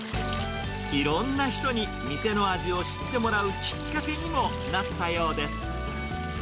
いろんな人に店の味を知ってもらうきっかけにもなったようです。